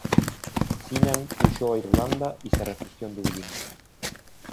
Cynan huyó a Irlanda y se refugió en Dublín.